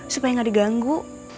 supaya gak diganggu